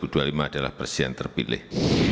dan dua ribu dua puluh lima adalah persis yang terpilih